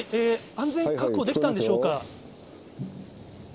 安全確保できたんでしょうか？